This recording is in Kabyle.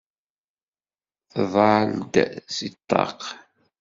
Tḍall-d seg ṭṭaq.